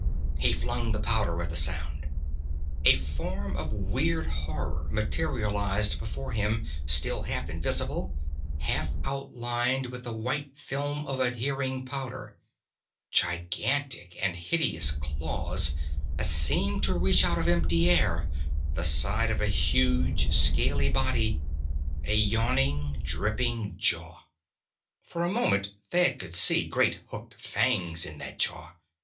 _ He flung the powder at the sound. A form of weird horror materialized before him, still half invisible, half outlined with the white film of adhering powder: gigantic and hideous claws, that seemed to reach out of empty air, the side of a huge, scaly body, a yawning, dripping jaw. For a moment Thad could see great, hooked fangs in that jaw.